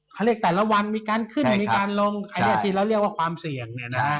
เขาเรียกแต่ละวันมีการขึ้นมีการลงอันนี้ที่เราเรียกว่าความเสี่ยง